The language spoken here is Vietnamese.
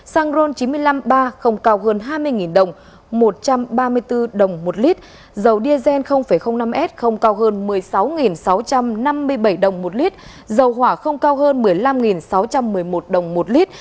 xăng ron chín mươi năm ba không cao hơn hai mươi đồng một lít dầu diesel năm s không cao hơn một mươi sáu sáu trăm năm mươi bảy đồng một lít dầu hỏa không cao hơn một mươi năm sáu trăm một mươi một đồng một lít